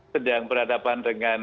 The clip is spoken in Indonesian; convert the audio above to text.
sedang berhadapan dengan